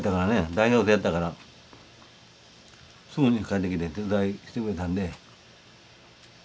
大学生やったからすぐに帰ってきて手伝いしてくれたんで。